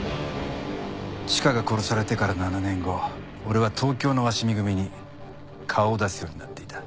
チカが殺されてから７年後俺は東京の鷲見組に顔を出すようになっていた。